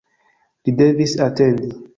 Li devis atendi.